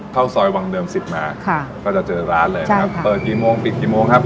เข้าซอยวังเดิมสิบนาค่ะก็จะเจอร้านเลยนะครับเปิดกี่โมงปิดกี่โมงครับ